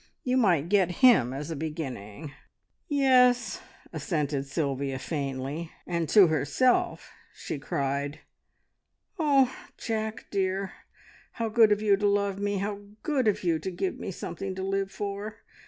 You might get him as a beginning." "Yes," assented Sylvia faintly; and to herself she cried, "Oh, Jack dear how good of you to love me! How good of you to give me something to live for!